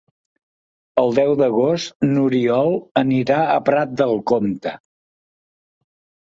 El deu d'agost n'Oriol anirà a Prat de Comte.